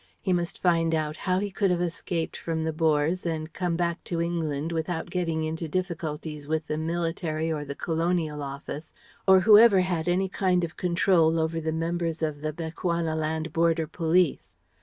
He must find out how he could have escaped from the Boers and come back to England without getting into difficulties with the military or the Colonial Office or whoever had any kind of control over the members of the Bechuanaland Border Police....